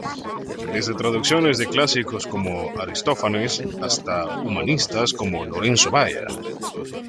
Desde traducciones de clásicos como Aristófanes hasta humanistas como Lorenzo Valla.